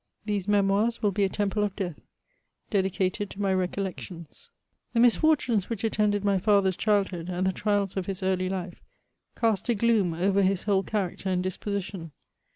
These Memoirs will be a Temple of Death dedicated to my recollections. The misfortunes which attended my father's childhood, and the trials of his early Ufe, cast a gloom over his whole character and disposition.